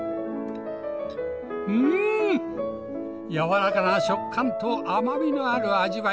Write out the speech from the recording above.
うん軟らかな食感と甘みのある味わい